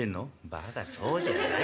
「バカそうじゃない。